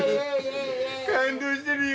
感動してるよ。